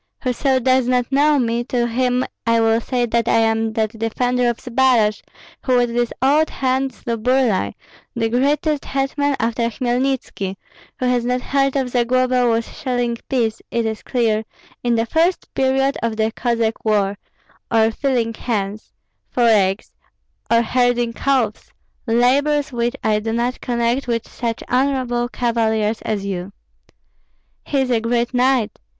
Whoso does not know me, to him I will say that I am that defender of Zbaraj who with this old hand slew Burlai, the greatest hetman after Hmelnitski; whoso has not heard of Zagloba was shelling peas, it is clear, in the first period of the Cossack war, or feeling hens (for eggs), or herding calves, labors which I do not connect with such honorable cavaliers as you." "He is a great knight!"